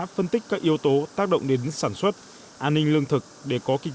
phân tích các yếu tố tác động địa dịch